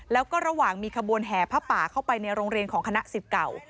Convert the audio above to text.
แล้วก็ระหว่างมีขบวนแห่ผ้าป่าเข้าไปในโรงเรียนของคณะสิทธิ์เก่า